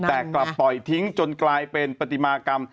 แต่กลับปล่อยทิ้งจนกลายเป็นปฏิมากรรม